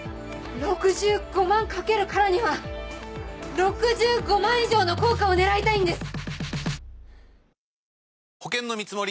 ６５万かけるからには６５万以上の効果を狙いたいんです！